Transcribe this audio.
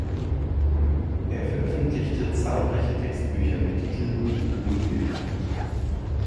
Er veröffentlichte zahlreiche Textbücher mit Titeln wie "König Winter.